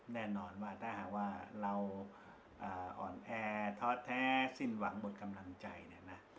แน่นอนว่าถ้าหากว่าเราอ่อนแอท้อแท้สิ้นหวังหมดกำลังใจเนี่ยนะ